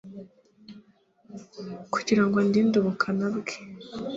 kugira ngo andinde ubukana bwe